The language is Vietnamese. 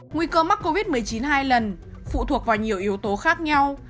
nguy cơ mắc covid một mươi chín hai lần phụ thuộc vào nhiều yếu tố khác nhau